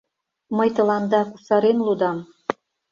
Мый тыланда кусарен лудам.